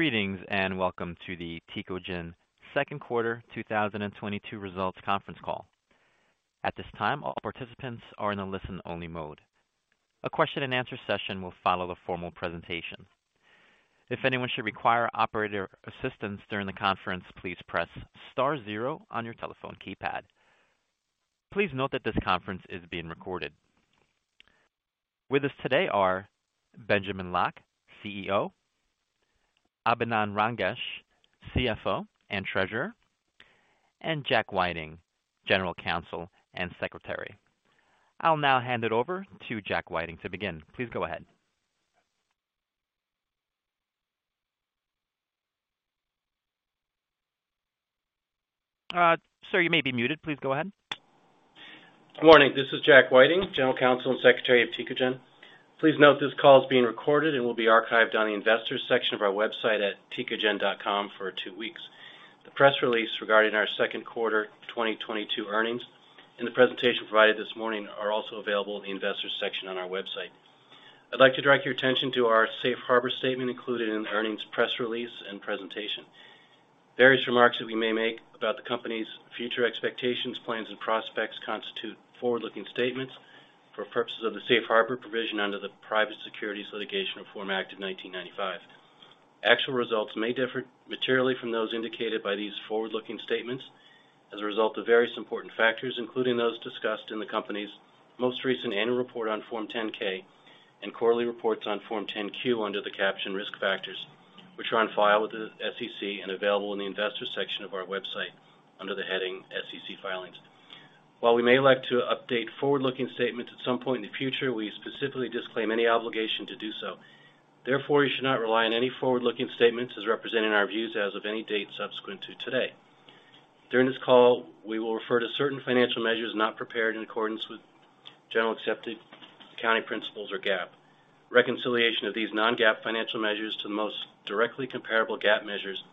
Greetings, and welcome to the Tecogen second quarter 2022 results conference call. At this time, all participants are in a listen-only mode. A question and answer session will follow the formal presentation. If anyone should require operator assistance during the conference, please press star zero on your telephone keypad. Please note that this conference is being recorded. With us today are Benjamin Locke, CEO, Abinand Rangesh, CFO and Treasurer, and Jack Whiting, General Counsel and Secretary. I'll now hand it over to Jack Whiting to begin. Please go ahead. Sir, you may be muted. Please go ahead. Good morning. This is Jack Whiting, General Counsel and Secretary of Tecogen. Please note this call is being recorded and will be archived on the investors section of our website at Tecogen.com for two weeks. The press release regarding our second quarter 2022 earnings and the presentation provided this morning are also available in the Investors section on our website. I'd like to direct your attention to our Safe Harbor statement included in the earnings press release and presentation. Various remarks that we may make about the company's future expectations, plans, and prospects constitute forward-looking statements for purposes of the Safe Harbor provision under the Private Securities Litigation Reform Act of 1995. Actual results may differ materially from those indicated by these forward-looking statements as a result of various important factors, including those discussed in the company's most recent annual report on Form 10-K and quarterly reports on Form 10-Q under the caption Risk Factors, which are on file with the SEC and available in the Investors section of our website under the heading SEC Filings. While we may elect to update forward-looking statements at some point in the future, we specifically disclaim any obligation to do so. Therefore, you should not rely on any forward-looking statements as representing our views as of any date subsequent to today. During this call, we will refer to certain financial measures not prepared in accordance with generally accepted accounting principles or GAAP. Reconciliation of these non-GAAP financial measures to the most directly comparable GAAP measures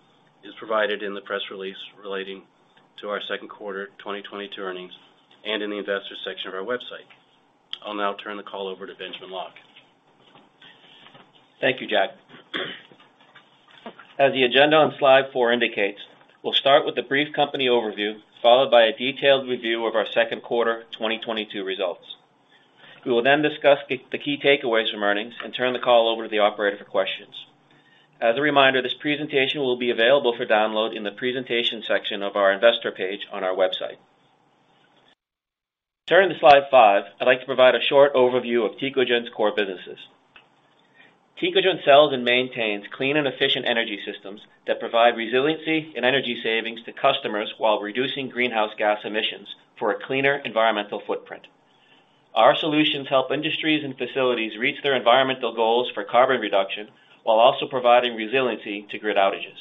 is provided in the press release relating to our second quarter 2022 earnings and in the Investors section of our website. I'll now turn the call over to Benjamin Locke. Thank you, Jack. As the agenda on slide four indicates, we'll start with a brief company overview, followed by a detailed review of our second quarter 2022 results. We will then discuss the key takeaways from earnings and turn the call over to the operator for questions. As a reminder, this presentation will be available for download in the Presentation section of our Investor page on our website. Turning to slide five, I'd like to provide a short overview of Tecogen's core businesses. Tecogen sells and maintains clean and efficient energy systems that provide resiliency and energy savings to customers while reducing greenhouse gas emissions for a cleaner environmental footprint. Our solutions help industries and facilities reach their environmental goals for carbon reduction while also providing resiliency to grid outages.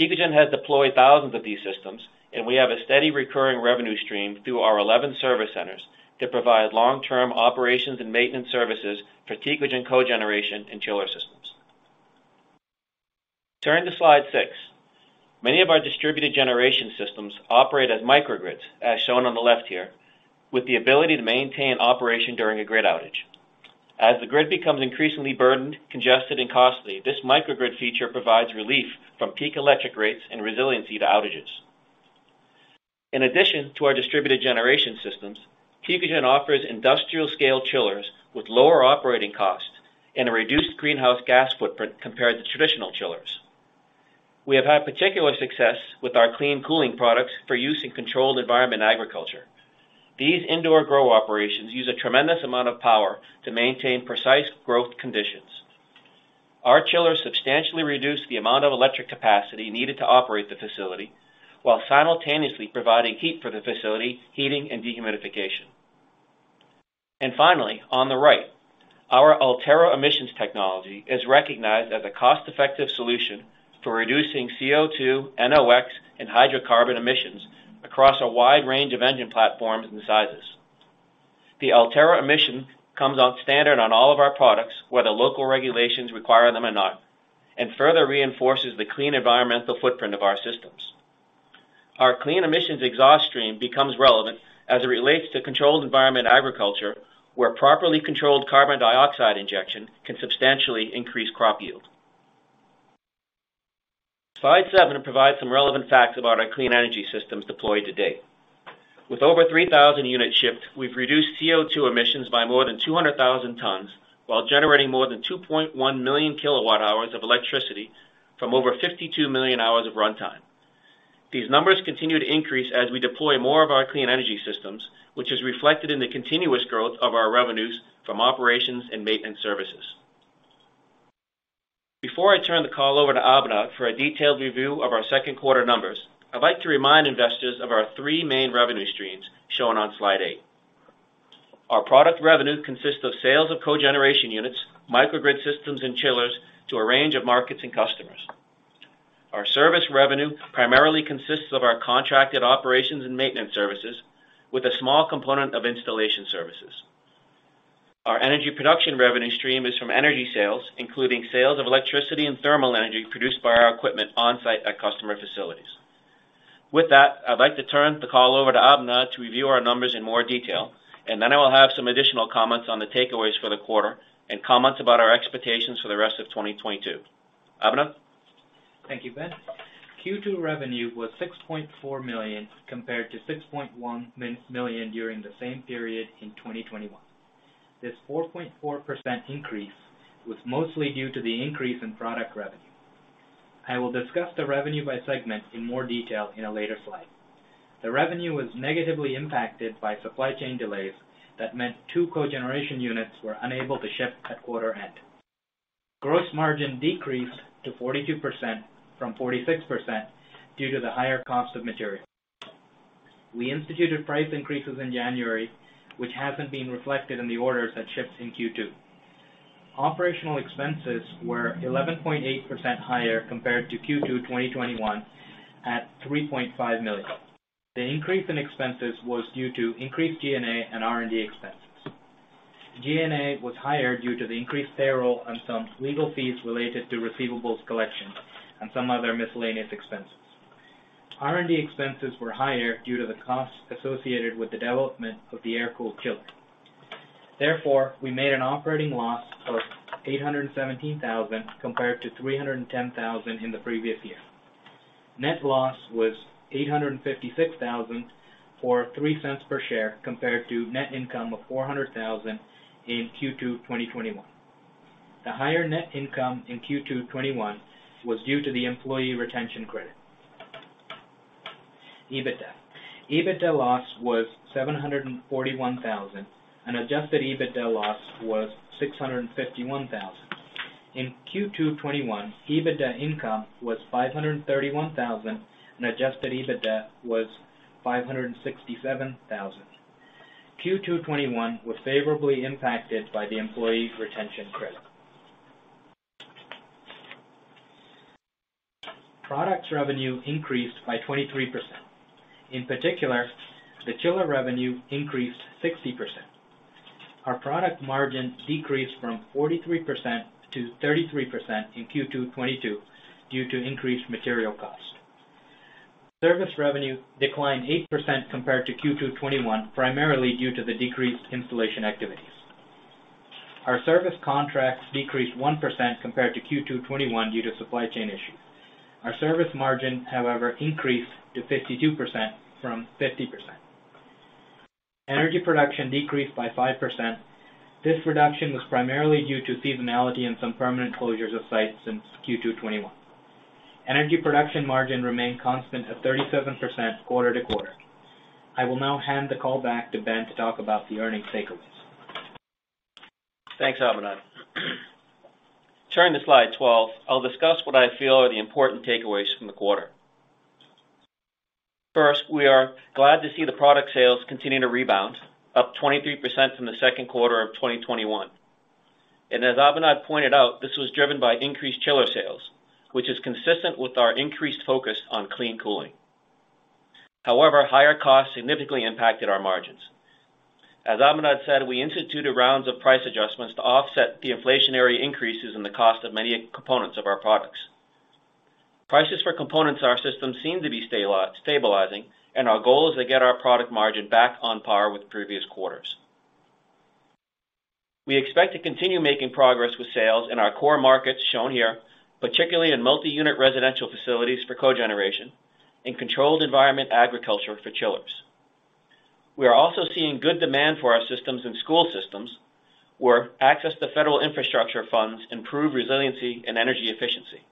Tecogen has deployed thousands of these systems, and we have a steady recurring revenue stream through our 11 service centers that provide long-term operations and maintenance services for Tecogen cogeneration and chiller systems. Turning to slide six. Many of our distributed generation systems operate as microgrids, as shown on the left here, with the ability to maintain operation during a grid outage. As the grid becomes increasingly burdened, congested, and costly, this microgrid feature provides relief from peak electric rates and resiliency to outages. In addition to our distributed generation systems, Tecogen offers industrial-scale chillers with lower operating costs and a reduced greenhouse gas footprint compared to traditional chillers. We have had particular success with our clean cooling products for use in controlled environment agriculture. These indoor grow operations use a tremendous amount of power to maintain precise growth conditions. Our chillers substantially reduce the amount of electric capacity needed to operate the facility while simultaneously providing heat for the facility, heating, and dehumidification. Finally, on the right, our Ultera emissions technology is recognized as a cost-effective solution for reducing CO2, NOx, and hydrocarbon emissions across a wide range of engine platforms and sizes. The Ultera emissions come standard on all of our products, whether local regulations require them or not, and further reinforces the clean environmental footprint of our systems. Our clean emissions exhaust stream becomes relevant as it relates to controlled environment agriculture, where properly controlled carbon dioxide injection can substantially increase crop yield. Slide seven provides some relevant facts about our clean energy systems deployed to date. With over 3,000 units shipped, we've reduced CO2 emissions by more than 200,000 tons while generating more than 2.1 million kWh of electricity from over 52 million hours of runtime. These numbers continue to increase as we deploy more of our clean energy systems, which is reflected in the continuous growth of our revenues from operations and maintenance services. Before I turn the call over to Abinand for a detailed review of our second quarter numbers, I'd like to remind investors of our three main revenue streams shown on slide eight. Our product revenue consists of sales of cogeneration units, microgrid systems, and chillers to a range of markets and customers. Our service revenue primarily consists of our contracted operations and maintenance services with a small component of installation services. Our energy production revenue stream is from energy sales, including sales of electricity and thermal energy produced by our equipment on-site at customer facilities. With that, I'd like to turn the call over to Abinand to review our numbers in more detail, and then I will have some additional comments on the takeaways for the quarter and comments about our expectations for the rest of 2022. Abinand. Thank you, Ben. Q2 revenue was $6.4 million compared to $6.1 million during the same period in 2021. This 4.4% increase was mostly due to the increase in product revenue. I will discuss the revenue by segment in more detail in a later slide. The revenue was negatively impacted by supply chain delays that meant two cogeneration units were unable to ship at quarter end. Gross margin decreased to 42% from 46% due to the higher cost of materials. We instituted price increases in January, which hasn't been reflected in the orders that shipped in Q2. Operational expenses were 11.8% higher compared to Q2 2021 at $3.5 million. The increase in expenses was due to increased G&A and R&D expenses. G&A was higher due to the increased payroll and some legal fees related to receivables collection and some other miscellaneous expenses. R&D expenses were higher due to the costs associated with the development of the air-cooled chiller. Therefore, we made an operating loss of $817,000 compared to $310,000 in the previous year. Net loss was $856,000 or $0.03 per share compared to net income of $400,000 in Q2 2021. The higher net income in Q2 2021 was due to the employee retention credit. EBITDA loss was $741,000, and adjusted EBITDA loss was $651,000. In Q2 2021, EBITDA income was $531,000, and adjusted EBITDA was $567,000. Q2 2021 was favorably impacted by the employee retention credit. Products revenue increased by 23%. In particular, the chiller revenue increased 60%. Our product margin decreased from 43% to 33% in Q2 2022 due to increased material cost. Service revenue declined 8% compared to Q2 2021, primarily due to the decreased installation activities. Our service contracts decreased 1% compared to Q2 2021 due to supply chain issues. Our service margin, however, increased to 52% from 50%. Energy production decreased by 5%. This reduction was primarily due to seasonality and some permanent closures of sites since Q2 2021. Energy production margin remained constant at 37% quarter-to-quarter. I will now hand the call back to Ben to talk about the earnings takeaways. Thanks, Abinand. Turning to slide 12, I'll discuss what I feel are the important takeaways from the quarter. First, we are glad to see the product sales continuing to rebound, up 23% from the second quarter of 2021. As Abinand pointed out, this was driven by increased chiller sales, which is consistent with our increased focus on clean cooling. However, higher costs significantly impacted our margins. As Abinand said, we instituted rounds of price adjustments to offset the inflationary increases in the cost of many components of our products. Prices for components in our system seem to be stabilizing, and our goal is to get our product margin back on par with previous quarters. We expect to continue making progress with sales in our core markets shown here, particularly in multi-unit residential facilities for cogeneration and controlled environment agriculture for chillers. We are also seeing good demand for our systems in school systems, where access to federal infrastructure funds improve resiliency and energy efficiency.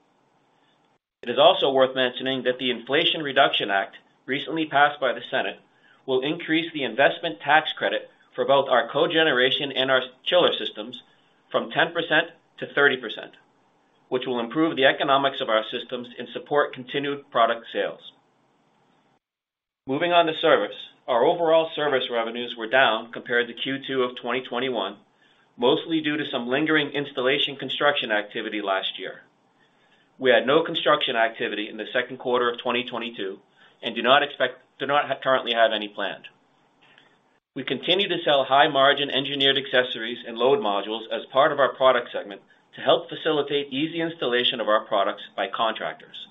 It is also worth mentioning that the Inflation Reduction Act, recently passed by the Senate, will increase the investment tax credit for both our cogeneration and our chiller systems from 10%-30%, which will improve the economics of our systems and support continued product sales. Moving on to service, our overall service revenues were down compared to Q2 of 2021, mostly due to some lingering installation construction activity last year. We had no construction activity in the second quarter of 2022 and do not currently have any planned. We continue to sell high-margin engineered accessories and load modules as part of our product segment to help facilitate easy installation of our products by contractors.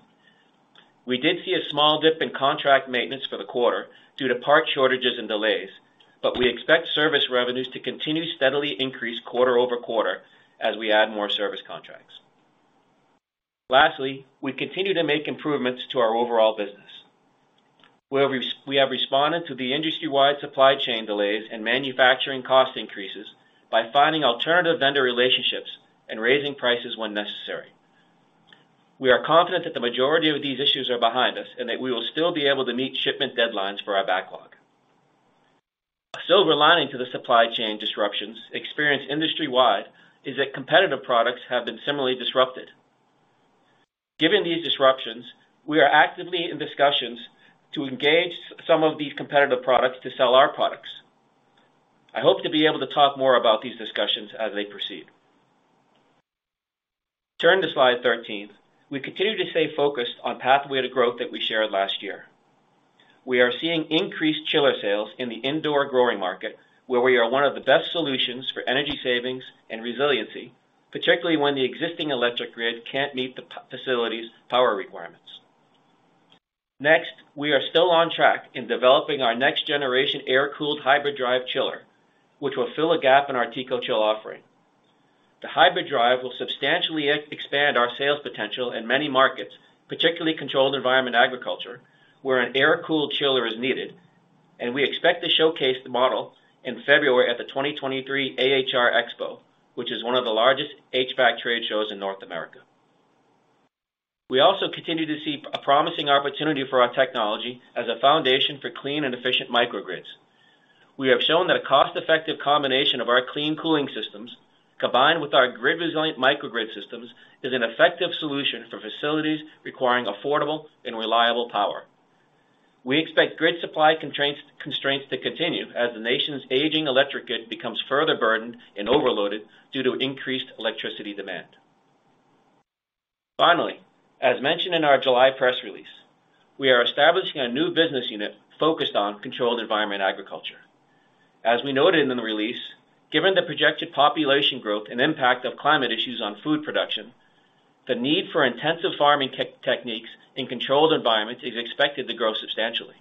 We did see a small dip in contract maintenance for the quarter due to part shortages and delays, but we expect service revenues to continue steadily increase quarter-over-quarter as we add more service contracts. Lastly, we continue to make improvements to our overall business. We have responded to the industry-wide supply chain delays and manufacturing cost increases by finding alternative vendor relationships and raising prices when necessary. We are confident that the majority of these issues are behind us, and that we will still be able to meet shipment deadlines for our backlog. A silver lining to the supply chain disruptions experienced industry-wide is that competitive products have been similarly disrupted. Given these disruptions, we are actively in discussions to engage some of these competitive products to sell our products. I hope to be able to talk more about these discussions as they proceed. Turning to slide 13, we continue to stay focused on pathway to growth that we shared last year. We are seeing increased chiller sales in the indoor growing market, where we are one of the best solutions for energy savings and resiliency, particularly when the existing electric grid can't meet the facility's power requirements. Next, we are still on track in developing our next generation air-cooled Hybrid-Drive chiller, which will fill a gap in our TECOCHILL offering. The Hybrid-Drive will substantially expand our sales potential in many markets, particularly controlled environment agriculture, where an air-cooled chiller is needed. We expect to showcase the model in February at the 2023 AHR Expo, which is one of the largest HVAC trade shows in North America. We also continue to see a promising opportunity for our technology as a foundation for clean and efficient microgrids. We have shown that a cost-effective combination of our clean cooling systems, combined with our grid-resilient microgrid systems, is an effective solution for facilities requiring affordable and reliable power. We expect grid supply constraints to continue as the nation's aging electric grid becomes further burdened and overloaded due to increased electricity demand. Finally, as mentioned in our July press release, we are establishing a new business unit focused on controlled environment agriculture. As we noted in the release, given the projected population growth and impact of climate issues on food production, the need for intensive farming techniques in controlled environments is expected to grow substantially.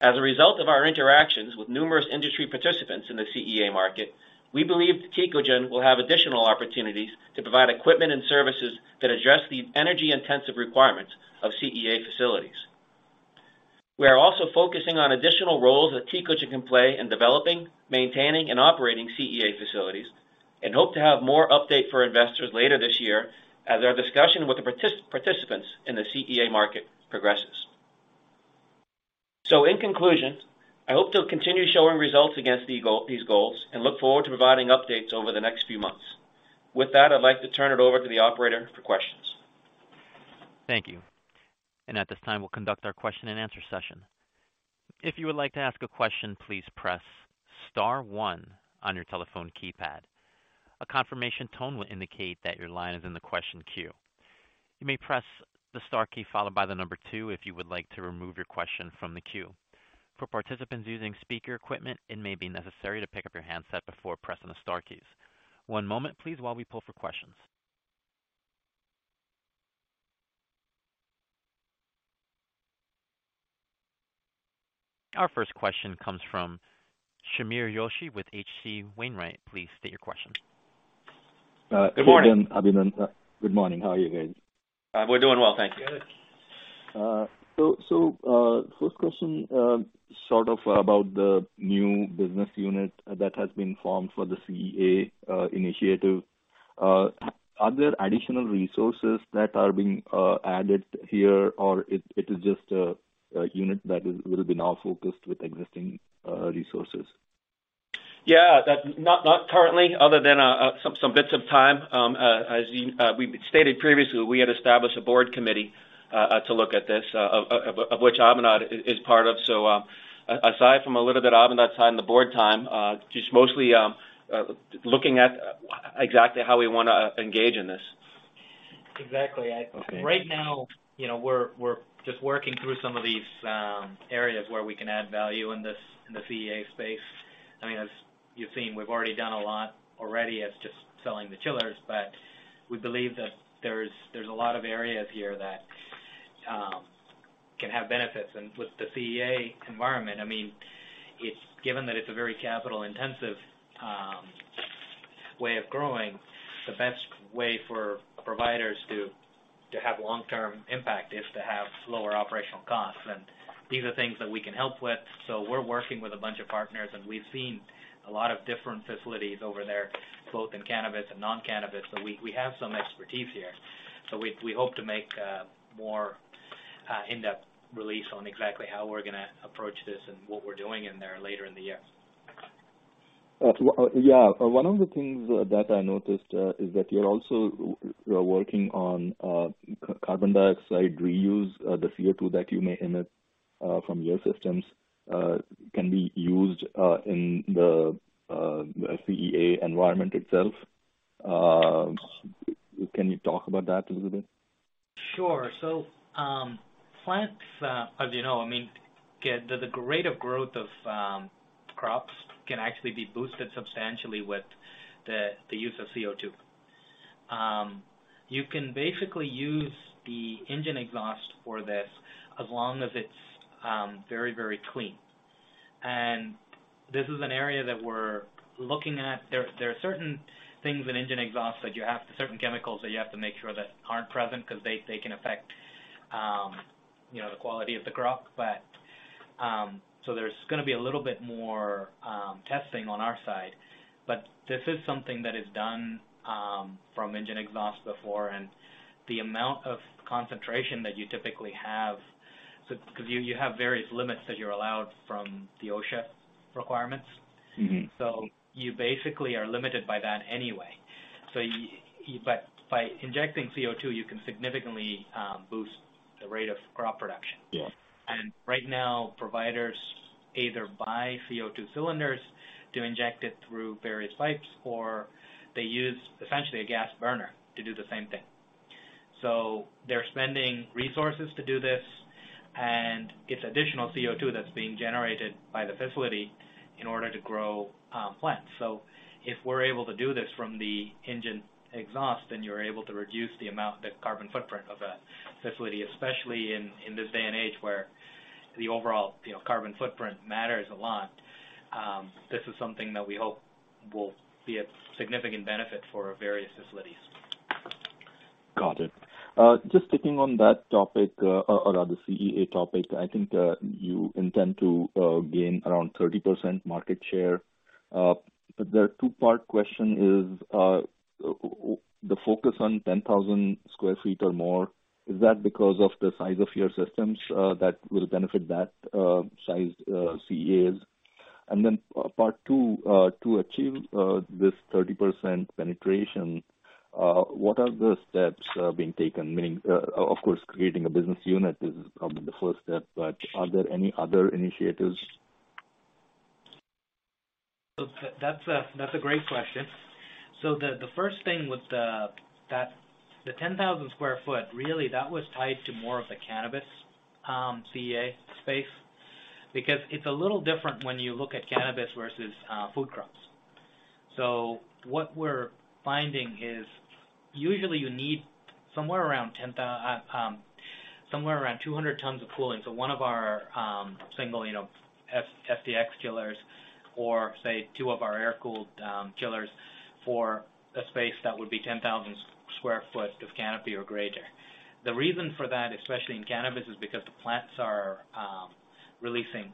As a result of our interactions with numerous industry participants in the CEA market, we believe Tecogen will have additional opportunities to provide equipment and services that address the energy-intensive requirements of CEA facilities. We are also focusing on additional roles that Tecogen can play in developing, maintaining, and operating CEA facilities, and hope to have more update for investors later this year as our discussion with the participants in the CEA market progresses. In conclusion, I hope to continue showing results against these goals and look forward to providing updates over the next few months. With that, I'd like to turn it over to the operator for questions. Thank you. At this time, we'll conduct our question and answer session. If you would like to ask a question, please press star one on your telephone keypad. A confirmation tone will indicate that your line is in the question queue. You may press the star key followed by the number two if you would like to remove your question from the queue. For participants using speaker equipment, it may be necessary to pick up your handset before pressing the star keys. One moment, please, while we poll for questions. Our first question comes from Sameer Joshi with H.C. Wainwright. Please state your question. Good morning, Abinand. Good morning. Good morning. How are you guys? We're doing well, thank you. Good. First question, sort of about the new business unit that has been formed for the CEA initiative. Are there additional resources that are being added here, or it is just a unit that will be now focused with existing resources? Yeah, that's not currently other than some bits of time. We stated previously, we had established a Board committee to look at this, of which Abinand is part of. Aside from a little bit of Abinand's time, the Board time, just mostly looking at exactly how we wanna engage in this. Exactly. Okay. Right now, you know, we're just working through some of these areas where we can add value in this, in the CEA space. I mean, as you've seen, we've already done a lot already as just selling the chillers, but we believe that there's a lot of areas here that can have benefits. With the CEA environment, I mean, it's given that it's a very capital-intensive way of growing. The best way for providers to have long-term impact is to have lower operational costs, and these are things that we can help with. We're working with a bunch of partners, and we've seen a lot of different facilities over there, both in cannabis and non-cannabis. We have some expertise here. We hope to make more in-depth release on exactly how we're gonna approach this and what we're doing in there later in the year. Oh yeah. One of the things that I noticed is that you're also working on carbon dioxide reuse. The CO2 that you emit from your systems can be used in the CEA environment itself. Can you talk about that a little bit? Sure. Plants, as you know, I mean, the rate of growth of crops can actually be boosted substantially with the use of CO2. You can basically use the engine exhaust for this as long as it's very, very clean. This is an area that we're looking at. There are certain things in engine exhaust, certain chemicals that you have to make sure that aren't present 'cause they can affect, you know, the quality of the crop. There's gonna be a little bit more testing on our side. This is something that is done from engine exhaust before. The amount of concentration that you typically have 'cause you have various limits that you're allowed from the OSHA requirements. Mm-hmm. You basically are limited by that anyway. By injecting CO2, you can significantly boost the rate of crop production. Yeah. Right now providers either buy CO2 cylinders to inject it through various pipes, or they use essentially a gas burner to do the same thing. They're spending resources to do this, and it's additional CO2 that's being generated by the facility in order to grow plants. If we're able to do this from the engine exhaust, then you're able to reduce the amount, the carbon footprint of a facility, especially in this day and age where the overall, you know, carbon footprint matters a lot. This is something that we hope will be a significant benefit for various facilities. Got it. Just sticking on that topic, or on the CEA topic, I think you intend to gain around 30% market share. The two-part question is, the focus on 10,000 sq ft or more, is that because of the size of your systems that will benefit that size CEAs? Part two, to achieve this 30% penetration, what are the steps being taken? Meaning, of course, creating a business unit is probably the first step, but are there any other initiatives? That’s a great question. The first thing with that is the 10,000 sq ft, really that was tied to more of the cannabis CEA space. Because it’s a little different when you look at cannabis versus food crops. What we’re finding is usually you need somewhere around 200 tons of cooling. One of our single FDX chillers or say two of our air-cooled chillers for a space that would be 10,000 sq ft of canopy or greater. The reason for that, especially in cannabis, is because the plants are releasing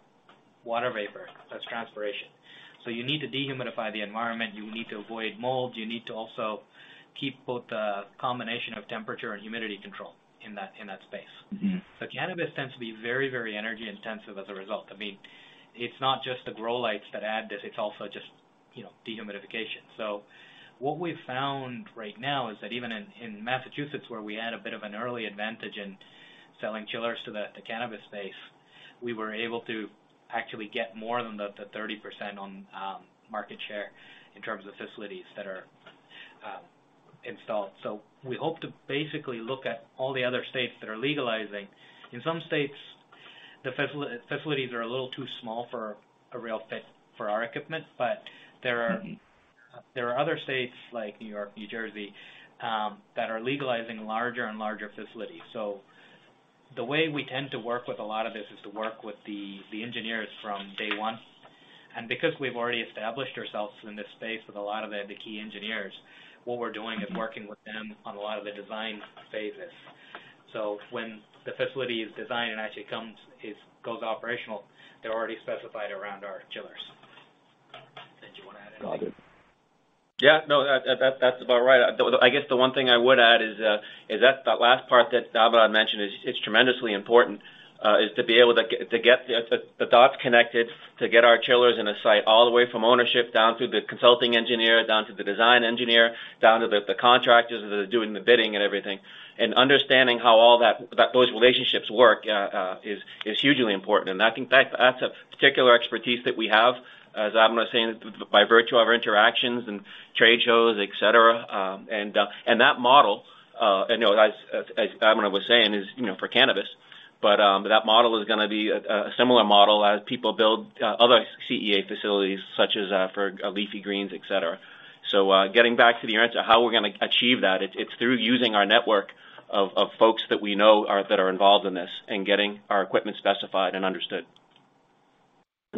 water vapor, that’s transpiration. You need to dehumidify the environment, you need to avoid mold, you need to also keep both the combination of temperature and humidity control in that space. Mm-hmm. Cannabis tends to be very, very energy intensive as a result. I mean, it's not just the grow lights that add this, it's also just, you know, dehumidification. What we've found right now is that even in Massachusetts, where we had a bit of an early advantage in selling chillers to the cannabis space, we were able to actually get more than the 30% on market share in terms of facilities that are installed. We hope to basically look at all the other states that are legalizing. In some states, the facilities are a little too small for a real fit for our equipment, but there are Mm-hmm. There are other states like New York, New Jersey, that are legalizing larger and larger facilities. The way we tend to work with a lot of this is to work with the engineers from day one. Because we've already established ourselves in this space with a lot of the key engineers, what we're doing is working with them on a lot of the design phases. When the facility is designed and actually goes operational, they're already specified around our chillers. Did you wanna add anything? Got it. Yeah. No, that's about right. I guess the one thing I would add is that last part that Abinand mentioned is tremendously important, is to be able to get the dots connected, to get our chillers in a site all the way from ownership down to the consulting engineer, down to the design engineer, down to the contractors that are doing the bidding and everything. Understanding how all that those relationships work is hugely important. I think that's a particular expertise that we have, as Abinand was saying, by virtue of our interactions and trade shows, et cetera. That model, as Abinand was saying, is, you know, for cannabis, but that model is gonna be a similar model as people build other CEA facilities such as for leafy greens, et cetera. Getting back to the answer, how we're gonna achieve that, it's through using our network of folks that we know are involved in this and getting our equipment specified and understood.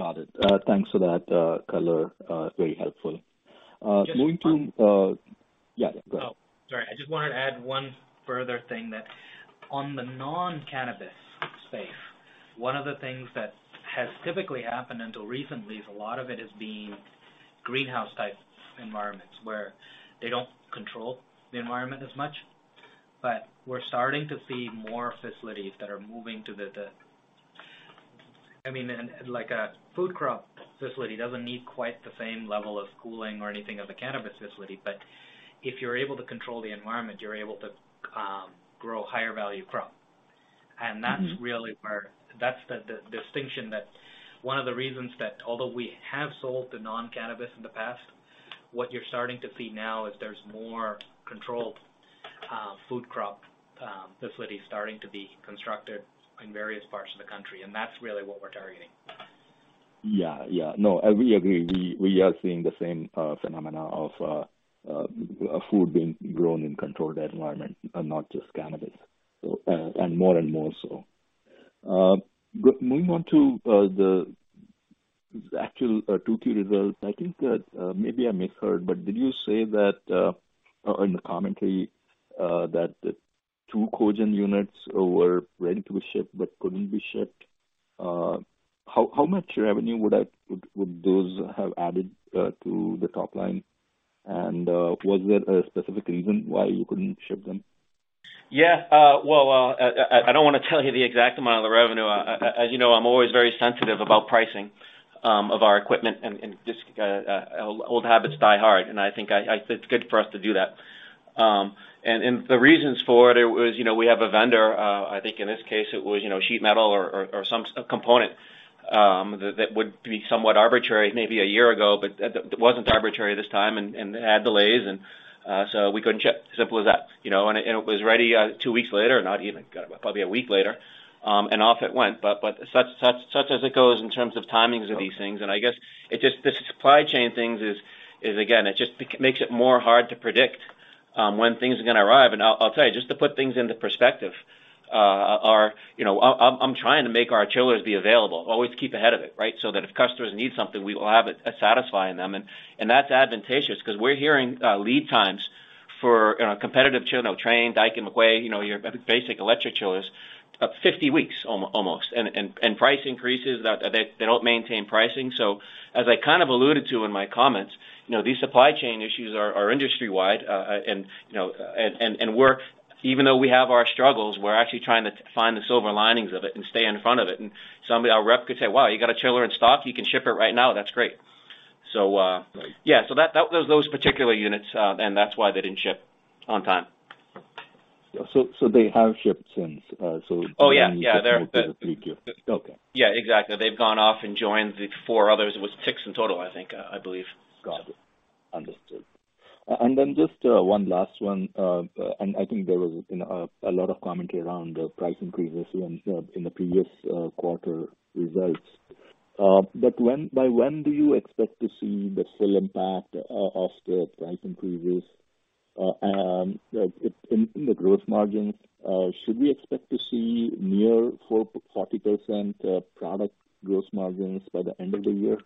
Got it. Thanks for that, color, very helpful. Moving to. Just one- Yeah, go ahead. Oh, sorry. I just wanted to add one further thing that on the non-cannabis space, one of the things that has typically happened until recently is a lot of it is being greenhouse type environments where they don't control the environment as much. We're starting to see more facilities that are moving to the. I mean, like a food crop facility doesn't need quite the same level of cooling or anything of a cannabis facility. If you're able to control the environment, you're able to grow higher value crop. Mm-hmm. That's really where that's the distinction that one of the reasons that although we have sold to non-cannabis in the past, what you're starting to see now is there's more controlled food crop facilities starting to be constructed in various parts of the country, and that's really what we're targeting. Yeah. No, we agree. We are seeing the same phenomena of food being grown in controlled environment and not just cannabis, and more and more so. Moving on to the actual two key results. I think that maybe I misheard, but did you say that in the commentary that the two cogen units were ready to be shipped but couldn't be shipped? How much revenue would those have added to the top line? Was there a specific reason why you couldn't ship them? Yeah, I don't wanna tell you the exact amount of the revenue. As you know, I'm always very sensitive about pricing of our equipment, old habits die hard, and I think it's good for us to do that. The reasons for it. It was, you know, we have a vendor, I think in this case it was, you know, sheet metal or some sub-component, that would be somewhat arbitrary maybe a year ago, but it wasn't arbitrary this time and had delays, so we couldn't ship. Simple as that. You know, it was ready two weeks later, not even, God, probably a week later, and off it went. Such as it goes in terms of timings of these things. I guess it just this supply chain thing is again, it just makes it more hard to predict when things are gonna arrive. I'll tell you, just to put things into perspective, you know, I'm trying to make our chillers be available, always keep ahead of it, right? That if customers need something, we will have it, satisfying them and that's advantageous 'cause we're hearing lead times for, you know, competitive chiller, you know, Trane, Daikin, McQuay, you know, your basic electric chillers, 50 weeks almost. And price increases that they don't maintain pricing. As I kind of alluded to in my comments, you know, these supply chain issues are industry-wide. You know, even though we have our struggles, we're actually trying to find the silver linings of it and stay in front of it. Somebody, our rep could say, "Wow, you got a chiller in stock? You can ship it right now? That's great." Right. Yeah. That those particular units, and that's why they didn't ship on time. They have shipped since. Yeah. Okay. Yeah, exactly. They've gone off and joined the four others. It was six in total, I think, I believe. Got it. Understood. Just one last one. I think there was, you know, a lot of commentary around the price increases in the previous quarter results. By when do you expect to see the full impact of the price increases in the gross margins? Should we expect to see near 40% product gross margins by the end of the year?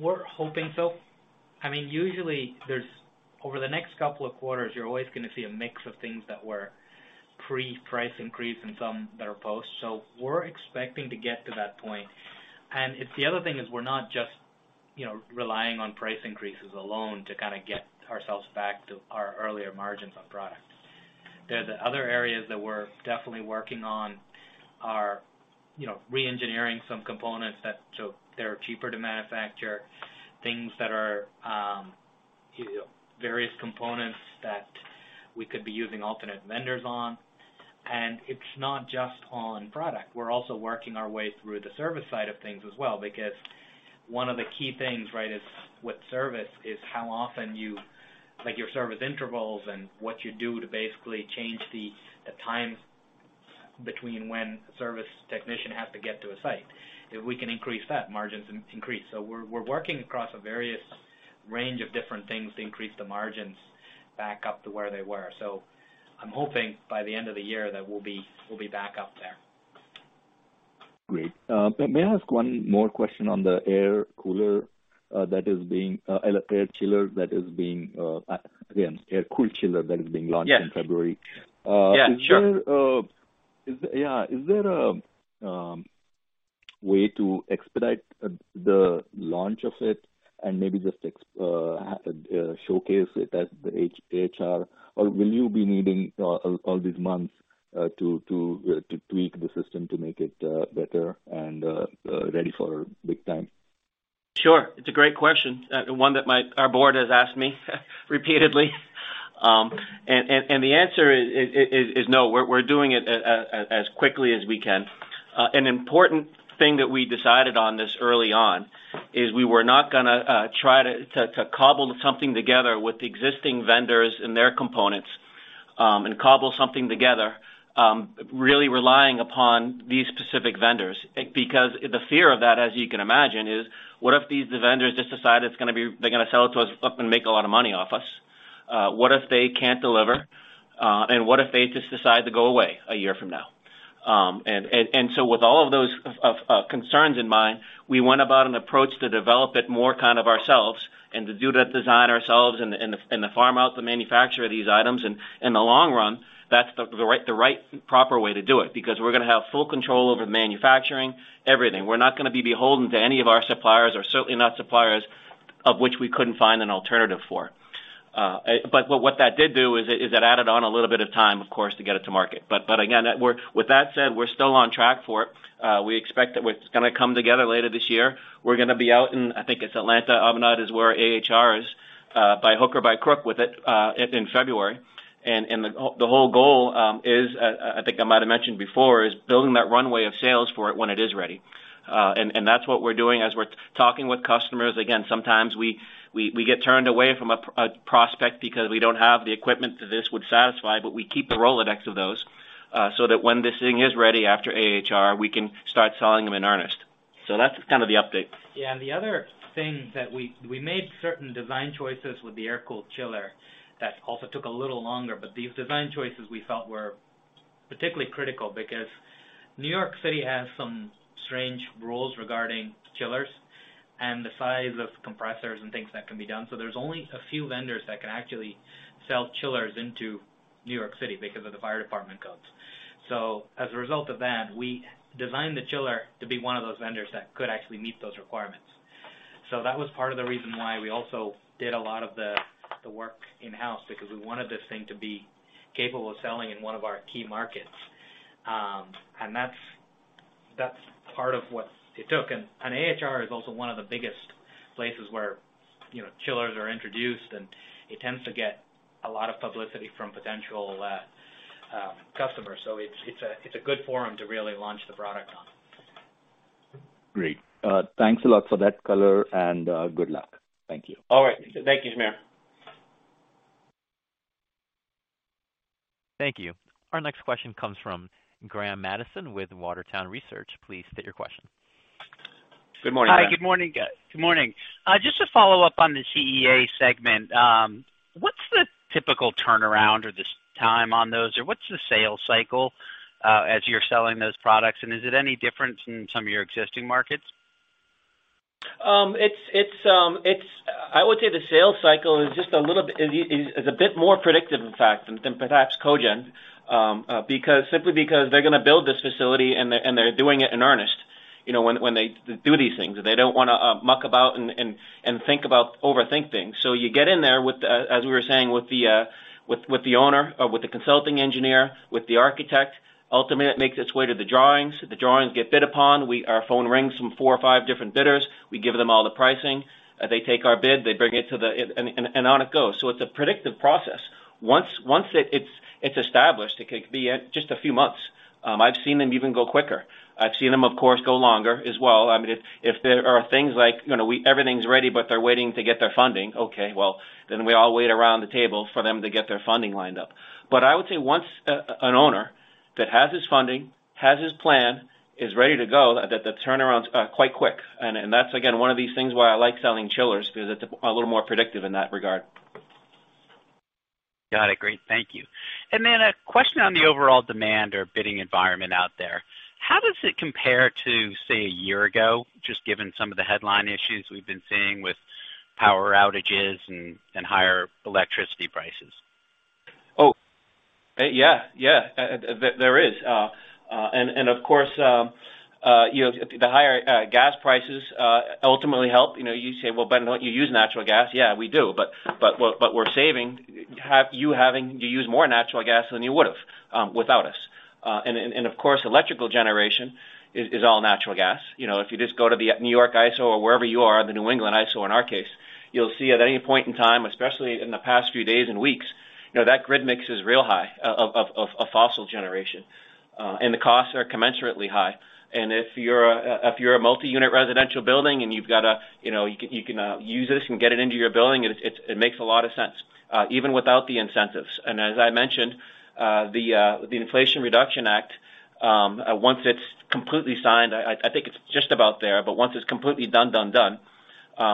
We're hoping so. I mean, usually over the next couple of quarters, you're always gonna see a mix of things that were pre-price increase and some that are post. We're expecting to get to that point. The other thing is we're not just, you know, relying on price increases alone to kinda get ourselves back to our earlier margins on product. The other areas that we're definitely working on are, you know, re-engineering some components so they're cheaper to manufacture, things that are, you know, various components that we could be using alternate vendors on. It's not just on product. We're also working our way through the service side of things as well. Because one of the key things, right, is with service how often you like your service intervals and what you do to basically change the time between when service technician has to get to a site. If we can increase that, margins increase. We're working across various range of different things to increase the margins back up to where they were. I'm hoping by the end of the year that we'll be back up there. Great. May I ask one more question on the air-cooled chiller that is being launched- Yes.... in February? Yeah, sure. Is there a way to expedite the launch of it and maybe just showcase it at the AHR? Or will you be needing all these months to tweak the system to make it better and ready for big time? Sure. It's a great question. Ne that our Board has asked me repeatedly. The answer is no. We're doing it as quickly as we can. An important thing that we decided on this early on is we were not gonna try to cobble something together with the existing vendors and their components, and cobble something together, really relying upon these specific vendors. Because the fear of that, as you can imagine, is what if these vendors just decide it's gonna be they're gonna sell it to us, and make a lot of money off us? What if they can't deliver? What if they just decide to go away a year from now? With all of those concerns in mind, we went about an approach to develop it more kind of ourselves and to do the design ourselves and farm out the manufacture these items. In the long run, that's the right proper way to do it, because we're gonna have full control over manufacturing everything. We're not gonna be beholden to any of our suppliers, or certainly not suppliers of which we couldn't find an alternative for. What that did do is it added on a little bit of time, of course, to get it to market. Again, with that said, we're still on track for it. We expect that it's gonna come together later this year. We're gonna be out in, I think it's Atlanta. Atlanta is where AHR is, by hook or by crook with it, in February. The whole goal, I think I might have mentioned before, is building that runway of sales for it when it is ready. That's what we're doing as we're talking with customers. Again, sometimes we get turned away from a prospect because we don't have the equipment that this would satisfy, but we keep the Rolodex of those, so that when this thing is ready after AHR, we can start selling them in earnest. That's kind of the update. Yeah. The other thing that we made certain design choices with the air-cooled chiller that also took a little longer. These design choices we felt were particularly critical because New York City has some strange rules regarding chillers and the size of compressors and things that can be done. There's only a few vendors that can actually sell chillers into New York City because of the fire department codes. As a result of that, we designed the chiller to be one of those vendors that could actually meet those requirements. That was part of the reason why we also did a lot of the work in-house, because we wanted this thing to be capable of selling in one of our key markets. That's part of what it took. AHR is also one of the biggest places where, you know, chillers are introduced, and it tends to get a lot of publicity from potential customers. It's a good forum to really launch the product on. Great. Thanks a lot for that color and good luck. Thank you. All right. Thank you, Sameer. Thank you. Our next question comes from Graham Mattison with Water Tower Research. Please state your question. Good morning, Graham. Hi, good morning, guys. Good morning. Just to follow up on the CEA segment, what's the typical turnaround or this time on those? Or what's the sales cycle, as you're selling those products? Is it any different in some of your existing markets? I would say the sales cycle is a bit more predictive, in fact, than perhaps cogen, because they're gonna build this facility and they're doing it in earnest, you know, when they do these things. They don't wanna muck about and overthink things. You get in there with the, as we were saying, with the owner or with the consulting engineer, with the architect, ultimately, it makes its way to the drawings. The drawings get bid upon. Our phone rings from four or five different bidders. We give them all the pricing. They take our bid, they bring it to the, and on it goes. It's a predictive process. Once it's established, it could be just a few months. I've seen them even go quicker. I've seen them, of course, go longer as well. I mean, if there are things like, you know, everything's ready, but they're waiting to get their funding, okay, well, then we all wait around the table for them to get their funding lined up. I would say once an owner that has his funding, has his plan, is ready to go, the turnaround's quite quick. That's again one of these things why I like selling chillers because it's a little more predictive in that regard. Got it. Great. Thank you. A question on the overall demand or bidding environment out there. How does it compare to, say, a year ago, just given some of the headline issues we've been seeing with power outages and higher electricity prices? Yeah. There is. Of course, you know, the higher gas prices ultimately help. You know, you say, "Well, Ben, don't you use natural gas?" Yeah, we do, but we're saving you having to use more natural gas than you would've without us. Of course, electrical generation is all natural gas. You know, if you just go to the New York ISO or wherever you are, the New England ISO, in our case, you'll see at any point in time, especially in the past few days and weeks, you know, that grid mix is real high of fossil generation, and the costs are commensurately high. If you're a multi-unit residential building and you've got a, you know, you can use this and get it into your building. It makes a lot of sense, even without the incentives. As I mentioned, the Inflation Reduction Act, once it's completely signed, I think it's just about there. Once it's completely done,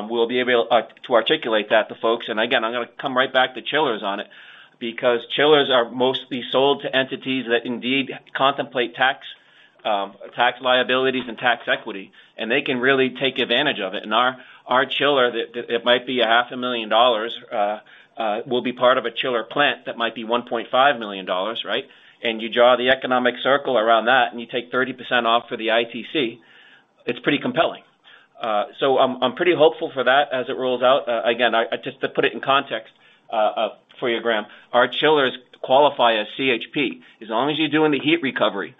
we'll be able to articulate that to folks. Again, I'm gonna come right back to chillers on it because chillers are mostly sold to entities that indeed contemplate tax, tax liabilities and tax equity. They can really take advantage of it. Our chiller that it might be a half a million dollars, will be part of a chiller plant that might be $1.5 million, right? You draw the economic circle around that and you take 30% off for the ITC, it's pretty compelling. So I'm pretty hopeful for that as it rolls out. Again, just to put it in context, for you, Graham, our chillers qualify as CHP. As long as you're doing the heat recovery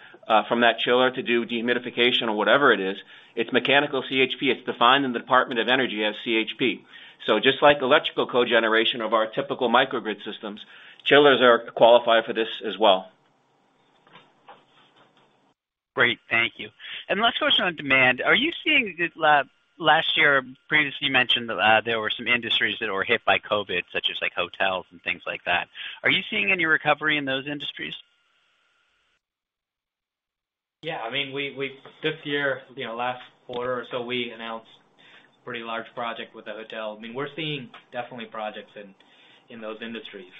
from that chiller to do dehumidification or whatever it is, it's mechanical CHP. It's defined in the Department of Energy as CHP. So just like electrical cogeneration of our typical microgrid systems, chillers qualify for this as well. Great. Thank you. Let's focus on demand. Are you seeing. Last year, previously, you mentioned that there were some industries that were hit by COVID, such as like hotels and things like that. Are you seeing any recovery in those industries? Yeah. I mean, this year, you know, last quarter or so, we announced a pretty large project with a hotel. I mean, we're seeing definitely projects in those industries.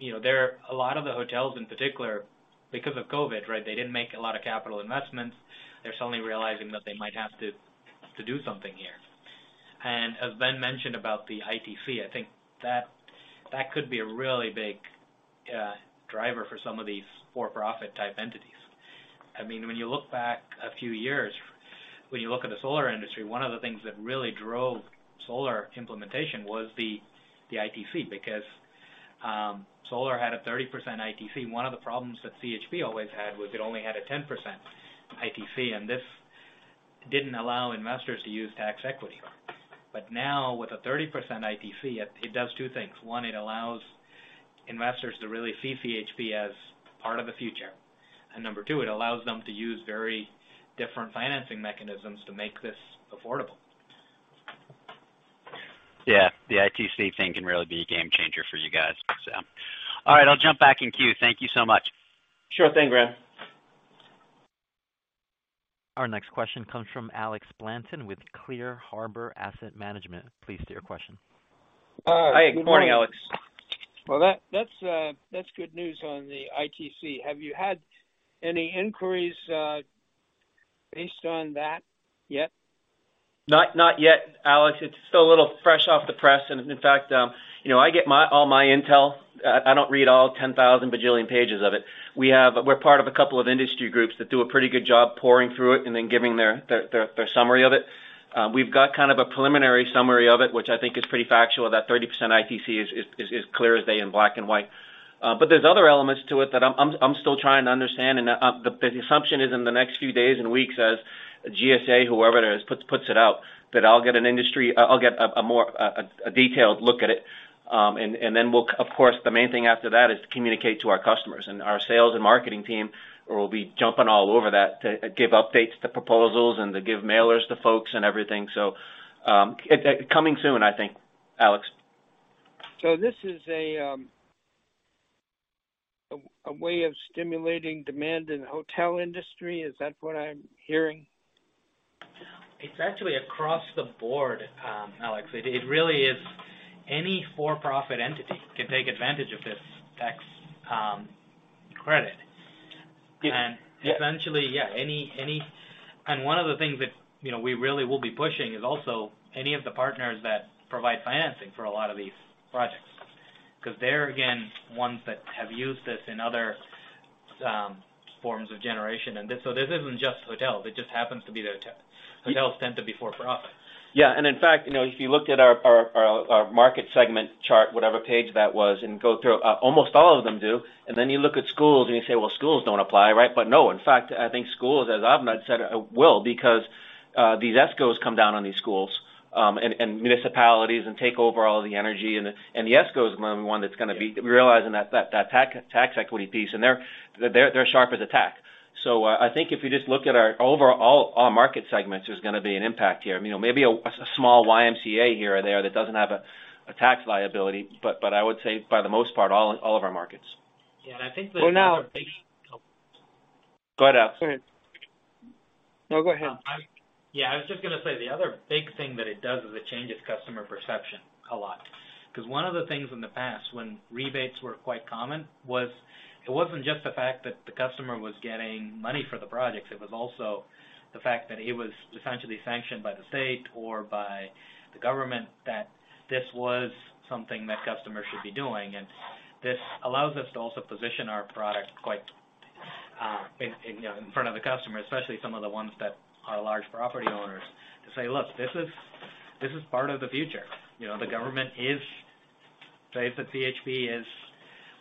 You know, there are a lot of the hotels in particular because of COVID, right? They didn't make a lot of capital investments. They're suddenly realizing that they might have to do something here. As Ben mentioned about the ITC, I think that could be a really big driver for some of these for-profit type entities. I mean, when you look back a few years, when you look at the solar industry, one of the things that really drove solar implementation was the ITC because solar had a 30% ITC. One of the problems that CHP always had was it only had a 10% ITC, and this didn't allow investors to use tax equity. Now with a 30% ITC, it does two things. One, it allows investors to really see CHP as part of the future. Number two, it allows them to use very different financing mechanisms to make this affordable. Yeah, the ITC thing can really be a game changer for you guys. All right, I'll jump back in queue. Thank you so much. Sure thing, Graham. Our next question comes from Alex Blanton with Clear Harbor Asset Management. Please state your question. Hi, good morning, Alex. Well, that's good news on the ITC. Have you had any inquiries based on that yet? Not yet, Alex. It's still a little fresh off the press. In fact, you know, I get all my intel. I don't read all 10,000 bajillion pages of it. We're part of a couple of industry groups that do a pretty good job poring through it and then giving their summary of it. We've got kind of a preliminary summary of it, which I think is pretty factual, that 30% ITC is clear as day in black and white. But there's other elements to it that I'm still trying to understand. The assumption is in the next few days and weeks as GSA, whoever it is, puts it out, that I'll get a more detailed look at it. Of course, the main thing after that is to communicate to our customers. Our sales and marketing team will be jumping all over that to give updates to proposals and to give mailers to folks and everything. Coming soon, I think, Alex. This is a way of stimulating demand in the hotel industry? Is that what I'm hearing? It's actually across the board, Alex. It really is any for-profit entity can take advantage of this tax credit. Yeah. One of the things that, you know, we really will be pushing is also any of the partners that provide financing for a lot of these projects, 'cause they're again, ones that have used this in other forms of generation. This isn't just hotel. It just happens to be the hotel. Hotels tend to be for-profit. Yeah. In fact, you know, if you looked at our market segment chart, whatever page that was, and go through, almost all of them do. Then you look at schools and you say, "Well, schools don't apply, right?" No, in fact, I think schools, as Abinand said, will because these ESCOs come down on these schools, and municipalities and take over all the energy. The ESCO is one that's gonna be realizing that tax equity piece, and they're sharp as a tack. I think if you just look at our overall market segments, there's gonna be an impact here. You know, maybe a small YMCA here or there that doesn't have a tax liability, but I would say for the most part, all of our markets. Yeah. I think the other big- Well, now. Go ahead, Alex. No, go ahead. Yeah, I was just gonna say the other big thing that it does is it changes customer perception a lot. 'Cause one of the things in the past when rebates were quite common was it wasn't just the fact that the customer was getting money for the projects, it was also the fact that it was essentially sanctioned by the state or by the government that this was something that customers should be doing. This allows us to also position our product quite in, you know, in front of the customer, especially some of the ones that are large property owners, to say, "Look, this is part of the future. You know, the government is saying that CHP is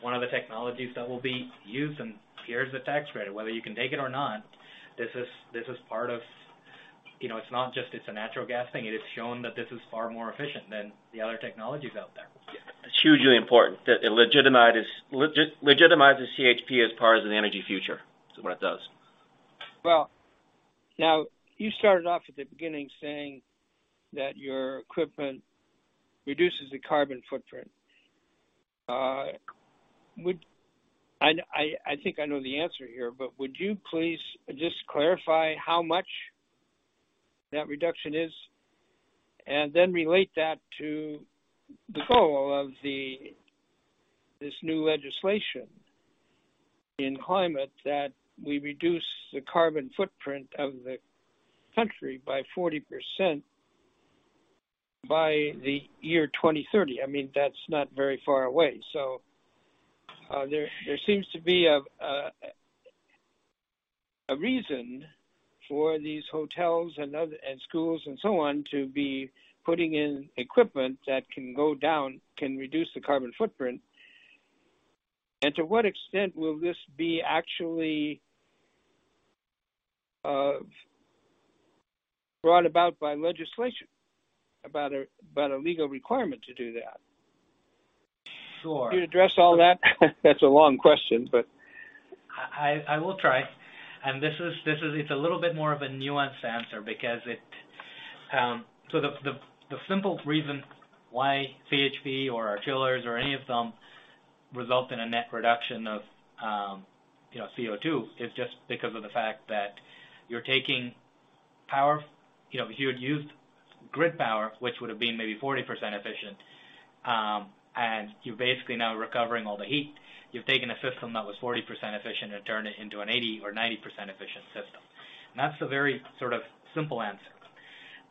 one of the technologies that will be used, and here's the tax credit. Whether you can take it or not, this is part of. You know, it's not just a natural gas thing. It is shown that this is far more efficient than the other technologies out there. It's hugely important. It legitimizes CHP as part of the energy future. That's what it does. Well, now, you started off at the beginning saying that your equipment reduces the carbon footprint. I think I know the answer here, but would you please just clarify how much that reduction is, and then relate that to the goal of this new legislation in climate that we reduce the carbon footprint of the country by 40% by the year 2030. I mean, that's not very far away. There seems to be a reason for these hotels and other and schools and so on, to be putting in equipment that can go down, can reduce the carbon footprint. To what extent will this be actually brought about by legislation about a legal requirement to do that? Sure. Can you address all that? That's a long question, but- I will try. This is a little bit more of a nuanced answer because it, the simple reason why CHP or our chillers or any of them result in a net reduction of, you know, CO2 is just because of the fact that you're taking power. You know, if you had used grid power, which would have been maybe 40% efficient, and you're basically now recovering all the heat, you've taken a system that was 40% efficient and turned it into an 80% or 90% efficient system. That's the very sort of simple answer.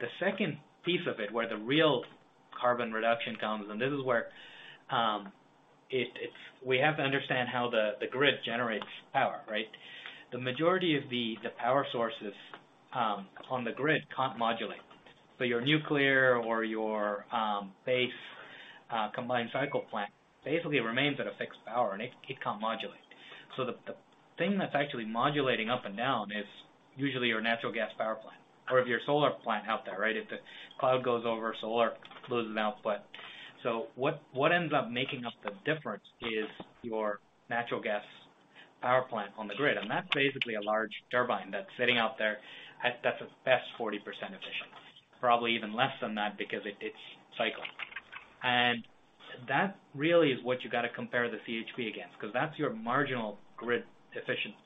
The second piece of it, where the real carbon reduction comes, and this is where it's we have to understand how the grid generates power, right? The majority of the power sources on the grid can't modulate. Your nuclear or base combined cycle plant basically remains at a fixed power, and it can't modulate. The thing that's actually modulating up and down is usually your natural gas power plant or if you're a solar plant out there, right? If the cloud goes over, solar loses output. What ends up making up the difference is your natural gas power plant on the grid. That's basically a large turbine that's sitting out there at best 40% efficient, probably even less than that because it's cycling. That really is what you gotta compare the CHP against, 'cause that's your marginal grid efficiency,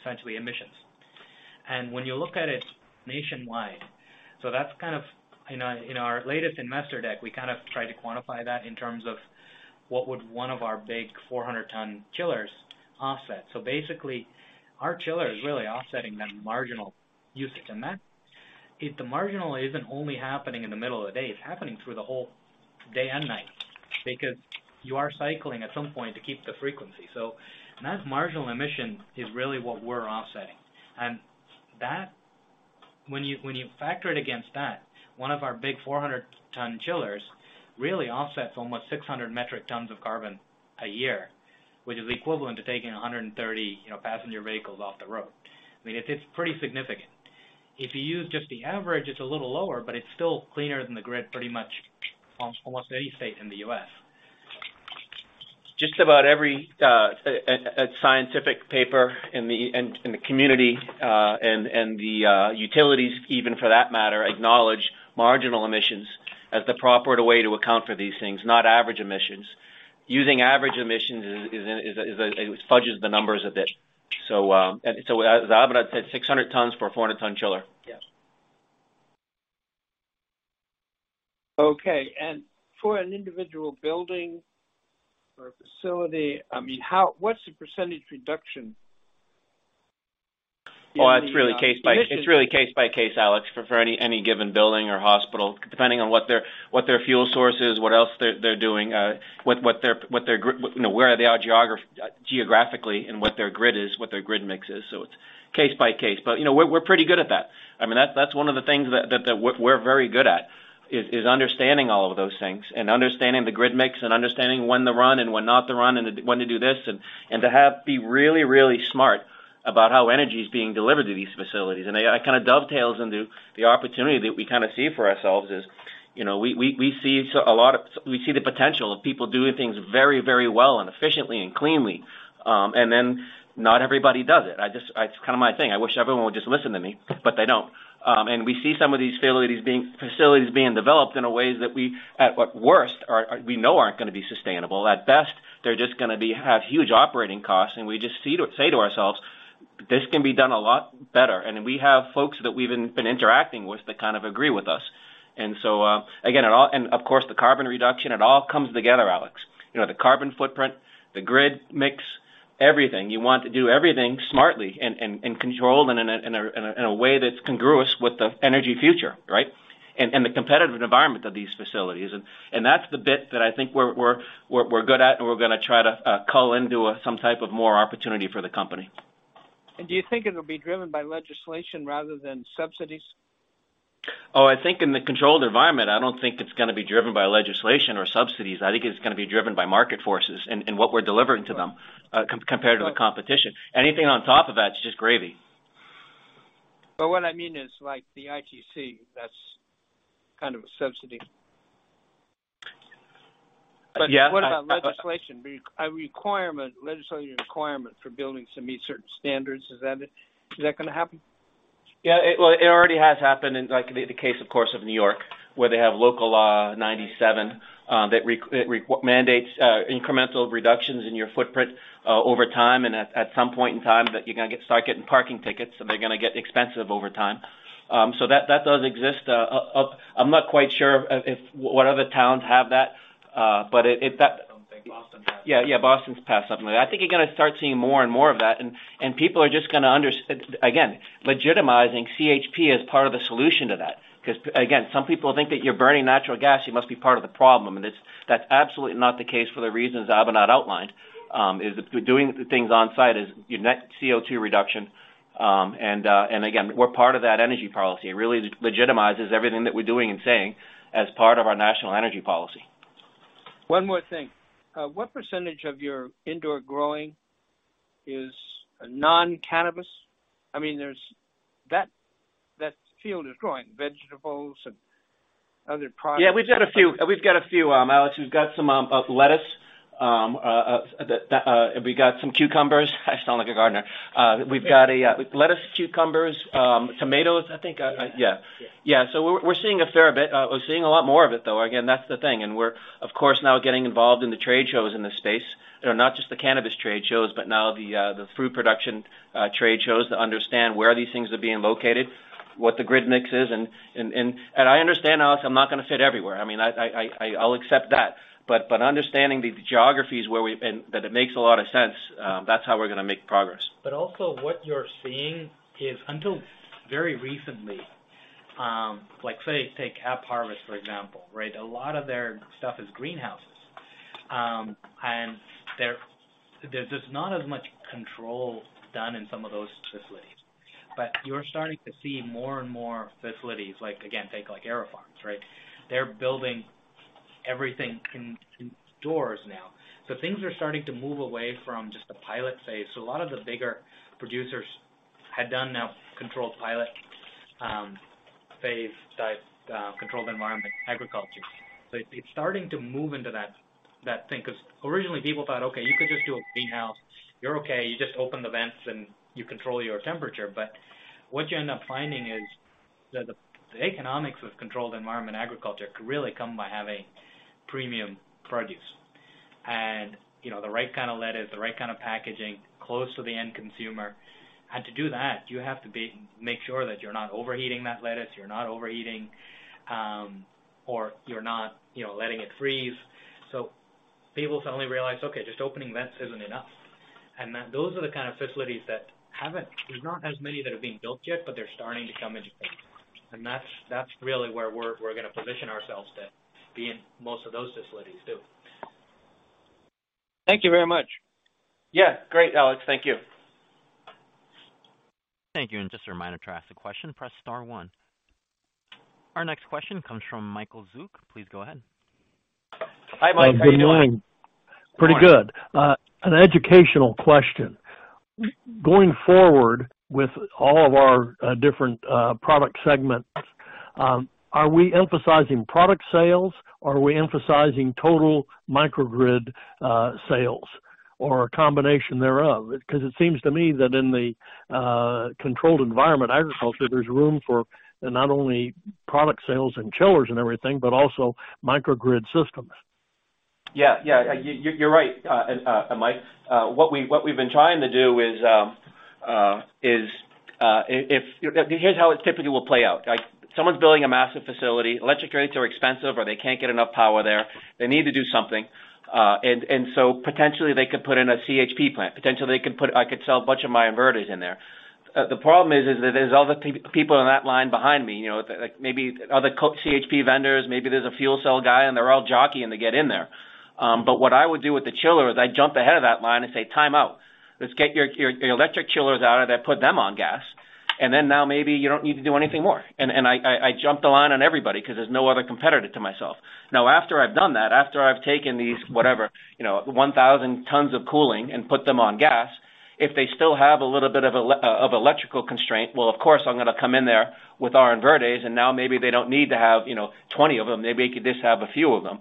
essentially emissions. When you look at it nationwide, that's kind of, in our latest investor deck, we kind of tried to quantify that in terms of what would one of our big 400-ton chillers offset. Basically, our chiller is really offsetting that marginal usage. That marginal isn't only happening in the middle of the day, it's happening through the whole day and night, because you are cycling at some point to keep the frequency. That marginal emission is really what we're offsetting. When you factor it against that, one of our big 400-ton chillers really offsets almost 600 metric tons of carbon a year, which is equivalent to taking 130, you know, passenger vehicles off the road. I mean, it's pretty significant. If you use just the average, it's a little lower, but it's still cleaner than the grid pretty much almost any state in the U.S. Just about every scientific paper in the community and the utilities even for that matter acknowledge marginal emissions as the proper way to account for these things, not average emissions. Using average emissions is, it fudges the numbers a bit. As Abinand said, 600 tons for a 400-ton chiller. Yeah. Okay. For an individual building or a facility, I mean, what's the percentage reduction in the emissions? It's really case by case, Alex, for any given building or hospital, depending on what their fuel source is, what else they're doing, you know, where they are geographically and what their grid is, what their grid mix is. It's case by case. You know, we're pretty good at that. I mean, that's one of the things that we're very good at, is understanding all of those things and understanding the grid mix and understanding when to run and when not to run and when to do this and to be really, really smart about how energy is being delivered to these facilities. It kind of dovetails into the opportunity that we kind of see for ourselves, you know, we see the potential of people doing things very, very well and efficiently and cleanly. Not everybody does it. It's kind of my thing. I wish everyone would just listen to me, but they don't. We see some of these facilities being developed in a way that we, at worst, know aren't gonna be sustainable. At best, they're just gonna have huge operating costs, and we just say to ourselves, "This can be done a lot better." We have folks that we've been interacting with that kind of agree with us. Again, it all. Of course, the carbon reduction, it all comes together, Alex. You know, the carbon footprint, the grid mix, everything. You want to do everything smartly and controlled and in a way that's congruous with the energy future, right? The competitive environment of these facilities. That's the bit that I think we're good at, and we're gonna try to call into some type of more opportunity for the company. Do you think it'll be driven by legislation rather than subsidies? I think in the controlled environment, I don't think it's gonna be driven by legislation or subsidies. I think it's gonna be driven by market forces and what we're delivering to them, compared to the competition. Anything on top of that is just gravy. What I mean is like the ITC, that's kind of a subsidy. Yeah. What about legislation a requirement, legislative requirement for buildings to meet certain standards? Is that gonna happen? Well, it already has happened in like the case, of course, of New York, where they have Local Law 97 that mandates incremental reductions in your footprint over time. At some point in time that you're gonna start getting parking tickets, and they're gonna get expensive over time. That does exist. I'm not quite sure if what other towns have that, but it- I think Boston has. Yeah. Yeah, Boston's passed something like that. I think you're gonna start seeing more and more of that. Again, legitimizing CHP as part of the solution to that. Again, some people think that you're burning natural gas, you must be part of the problem. That's absolutely not the case for the reasons Abinand outlined. If you're doing the things on site, you net CO2 reduction. Again, we're part of that energy policy. It really legitimizes everything that we're doing and saying as part of our national energy policy. One more thing. What percentage of your indoor growing is non-cannabis? I mean, that field is growing vegetables and other products. Yeah, we've got a few. We've got a few, Alex. We've got some lettuce. We got some cucumbers. I sound like a gardener. We've got a lettuce, cucumbers, tomatoes, I think. Yeah. Yeah. Yeah. Yeah. We're seeing a fair bit. We're seeing a lot more of it, though. Again, that's the thing. We're, of course, now getting involved in the trade shows in this space. You know, not just the cannabis trade shows, but now the food production trade shows to understand where these things are being located. What the grid mix is. I understand, Alex, I'm not gonna fit everywhere. I mean, I'll accept that. But understanding the geographies where we. That it makes a lot of sense, that's how we're gonna make progress. Also, what you're seeing is until very recently, like, say, take AppHarvest, for example, right? A lot of their stuff is greenhouses. There, there's just not as much control done in some of those facilities. You're starting to see more and more facilities, like, again, take like AeroFarms, right? They're building everything indoors now. Things are starting to move away from just the pilot phase. A lot of the bigger producers had done now controlled pilot, phase type, controlled environment agriculture. It's starting to move into that thing. 'Cause originally, people thought, "Okay, you could just do a greenhouse. You're okay. You just open the vents, and you control your temperature." What you end up finding is that the economics of controlled environment agriculture could really come by having premium produce. You know, the right kind of lettuce, the right kind of packaging, close to the end consumer. To do that, you have to make sure that you're not overheating that lettuce, or you're not, you know, letting it freeze. People suddenly realize, "Okay, just opening vents isn't enough." That those are the kind of facilities that haven't. There's not as many that are being built yet, but they're starting to come into play. That's really where we're gonna position ourselves to be in most of those facilities too. Thank you very much. Yeah. Great, Alex. Thank you. Thank you. Just a reminder to ask a question, press star one. Our next question comes from Michael Zuk. Please go ahead. Hi, Mike. How you doing? Good morning. Pretty good. An educational question. Going forward with all of our different product segments, are we emphasizing product sales or are we emphasizing total microgrid sales or a combination thereof? Because it seems to me that in the controlled environment agriculture, there's room for not only product sales and chillers and everything, but also microgrid systems. You're right, Mike. What we've been trying to do is, here's how it typically will play out, right. Someone's building a massive facility. Electric rates are expensive, or they can't get enough power there. They need to do something. Potentially they could put in a CHP plant. Potentially, I could sell a bunch of my inverters in there. The problem is that there's other people in that line behind me, you know, like maybe other CHP vendors, maybe there's a fuel cell guy, and they're all jockeying to get in there. What I would do with the chiller is I jump ahead of that line and say, "Time out. Let's get your electric chillers out of there, put them on gas, and then now maybe you don't need to do anything more." I jump the line on everybody 'cause there's no other competitor to myself. Now, after I've done that, after I've taken these, whatever, you know, 1,000 tons of cooling and put them on gas. If they still have a little bit of electrical constraint, well, of course, I'm gonna come in there with our inverters, and now maybe they don't need to have, you know, 20 of them. Maybe they could just have a few of them.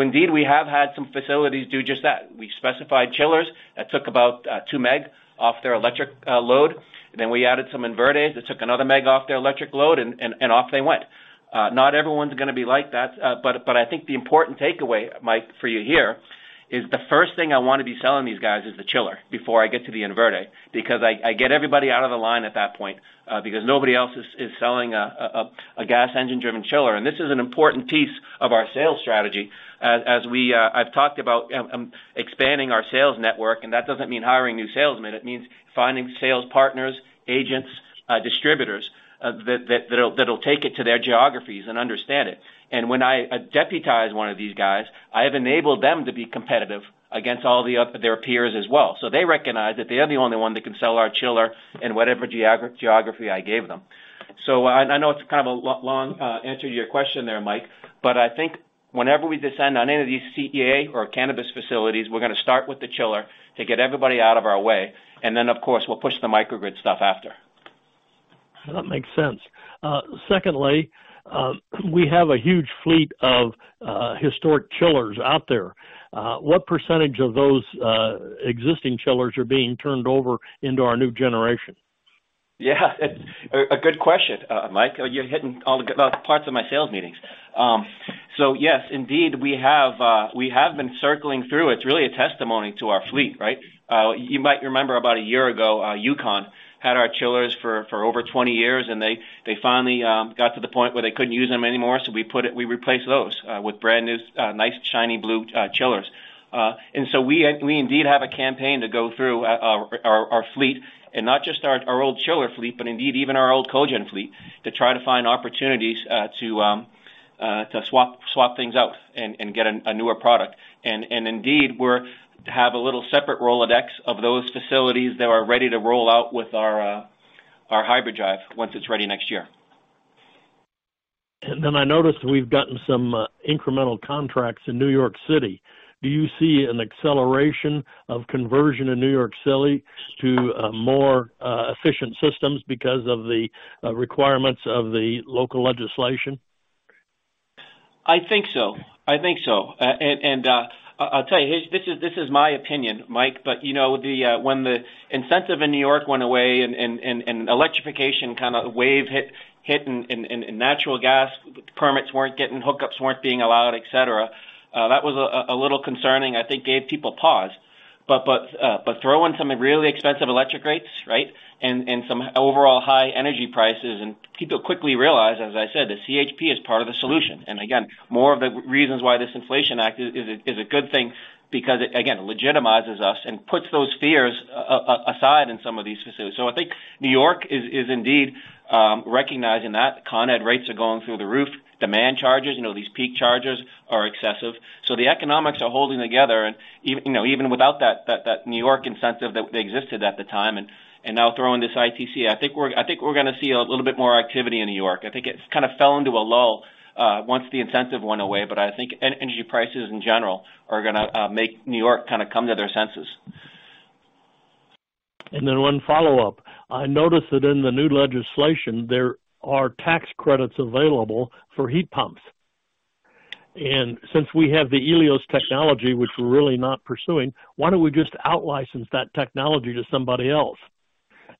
Indeed, we have had some facilities do just that. We specified chillers that took about 2 MW off their electric load, and then we added some inverters that took another meg off their electric load, and off they went. Not everyone's gonna be like that, but I think the important takeaway, Mike, for you here is the first thing I wanna be selling these guys is the chiller before I get to the inverter because I get everybody out of the line at that point because nobody else is selling a gas engine-driven chiller. This is an important piece of our sales strategy as we've talked about expanding our sales network, and that doesn't mean hiring new salesmen. It means finding sales partners, agents, distributors that'll take it to their geographies and understand it. When I deputize one of these guys, I have enabled them to be competitive against all the other their peers as well. They recognize that they are the only one that can sell our chiller in whatever geography I gave them. I know it's kind of a long answer to your question there, Mike, but I think whenever we descend on any of these CEA or cannabis facilities, we're gonna start with the chiller to get everybody out of our way. Then, of course, we'll push the microgrid stuff after. That makes sense. Secondly, we have a huge fleet of historic chillers out there. What percentage of those existing chillers are being turned over into our new generation? Yeah. A good question, Mike. You're hitting all the parts of my sales meetings. Yes, indeed, we have been circling through. It's really a testimony to our fleet, right? You might remember about a year ago, UConn had our chillers for over 20 years, and they finally got to the point where they couldn't use them anymore. We replaced those with brand new, nice, shiny blue chillers. We indeed have a campaign to go through our fleet and not just our old chiller fleet, but indeed even our old cogen fleet to try to find opportunities to swap things out and get a newer product. Indeed, we have a little separate Rolodex of those facilities that are ready to roll out with our Hybrid-Drive once it's ready next year. I noticed we've gotten some incremental contracts in New York City. Do you see an acceleration of conversion in New York City to more efficient systems because of the requirements of the local legislation? I think so. I'll tell you, this is my opinion, Mike. But you know, when the incentive in New York went away and electrification kind of wave hit and natural gas hookups weren't being allowed, et cetera, that was a little concerning. I think gave people pause. Throw in some really expensive electric rates, right? Some overall high energy prices. People quickly realize, as I said, the CHP is part of the solution. Again, more of the reasons why this Inflation Act is a good thing because it, again, legitimizes us and puts those fears aside in some of these facilities. I think New York is indeed recognizing that Con Ed rates are going through the roof. Demand charges, you know, these peak charges are excessive. The economics are holding together and even, you know, even without that New York incentive that existed at the time and now throwing this ITC, I think we're gonna see a little bit more activity in New York. I think it's kind of fell into a lull once the incentive went away. I think energy prices in general are gonna make New York kind of come to their senses. One follow-up. I noticed that in the new legislation, there are tax credits available for heat pumps. Since we have the Ilios technology, which we're really not pursuing, why don't we just out-license that technology to somebody else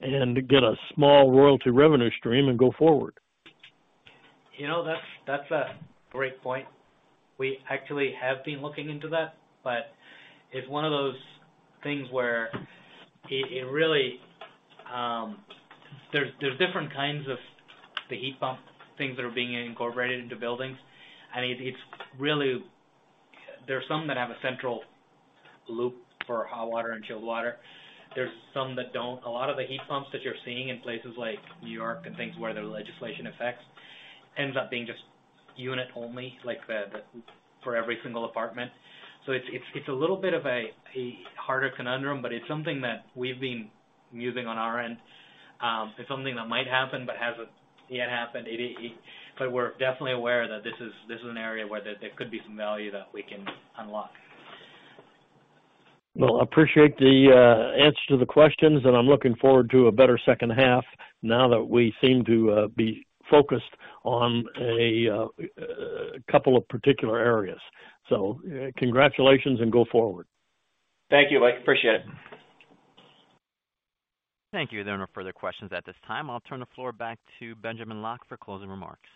and get a small royalty revenue stream and go forward? You know, that's a great point. We actually have been looking into that, but it's one of those things where it really, there's different kinds of the heat pump things that are being incorporated into buildings. I mean, it's really. There are some that have a central loop for hot water and chilled water. There's some that don't. A lot of the heat pumps that you're seeing in places like New York and things where the legislation affects ends up being just unit only, like the for every single apartment. It's a little bit of a harder conundrum, but it's something that we've been musing on our end. It's something that might happen but hasn't yet happened. We're definitely aware that this is an area where there could be some value that we can unlock. Well, I appreciate the answer to the questions. I'm looking forward to a better second half now that we seem to be focused on a couple of particular areas. Congratulations and go forward. Thank you, Mike. Appreciate it. Thank you. There are no further questions at this time. I'll turn the floor back to Benjamin Locke for closing remarks.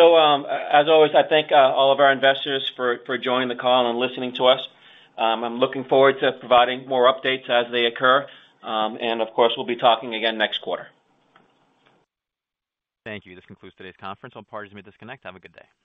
As always, I thank all of our investors for joining the call and listening to us. I'm looking forward to providing more updates as they occur. Of course, we'll be talking again next quarter. Thank you. This concludes today's conference. All parties may disconnect. Have a good day.